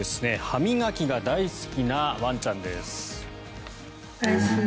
歯磨きが大好きなワンちゃんです。